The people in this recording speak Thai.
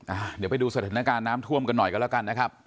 อ่ะเดี๋ยวไปดูสถานการณ์น้ำท่วมกันหน่อยกันแล้วกันนะครับ